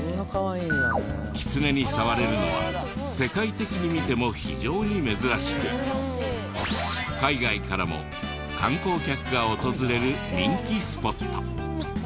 キツネに触れるのは世界的に見ても非常に珍しく海外からも観光客が訪れる人気スポット。